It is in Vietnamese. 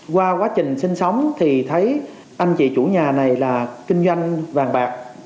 qua quá trình sinh sống thì thấy anh chị chủ nhà này là kinh doanh vàng bạc